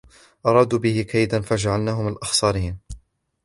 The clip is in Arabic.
وَأَرَادُوا بِهِ كَيْدًا فَجَعَلْنَاهُمُ الْأَخْسَرِينَ